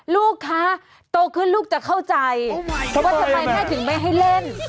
ลูกคะโตขึ้นลูกจะเข้าใจว่าทำไมแม่ถึงไม่ให้เล่น